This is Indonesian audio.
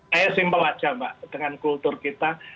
saya simpel aja mbak dengan kultur kita